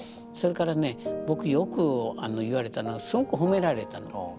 それからね僕よく言われたのはすごく褒められたの。